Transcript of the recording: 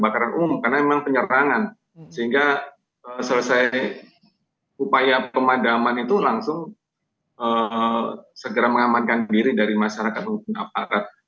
ternyata sejak selesai upaya pemadaman itu langsung segera mengamankan diri dari masyarakat menggunakan aparat